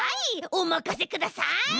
おまかせください！